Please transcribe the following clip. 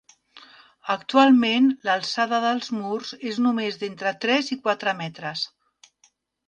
Actualment, l'alçada dels murs és només d'entre tres i quatre metres.